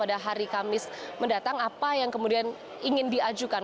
pada hari kamis mendatang apa yang kemudian ingin diajukan